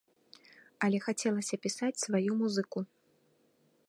Але хацелася пісаць сваю музыку.